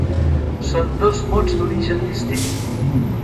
Són dos mots d'origen distint.